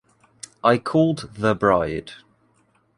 I called the bride.